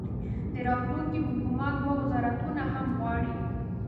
د راتلونکي حکومت دوه وزارتونه هم غواړي.